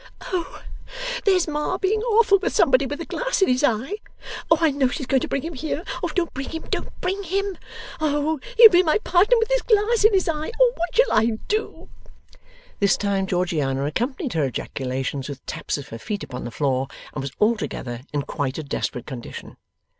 'Oh there's Ma being awful with somebody with a glass in his eye! Oh I know she's going to bring him here! Oh don't bring him, don't bring him! Oh he'll be my partner with his glass in his eye! Oh what shall I do!' This time Georgiana accompanied her ejaculations with taps of her feet upon the floor, and was altogether in quite a desperate condition.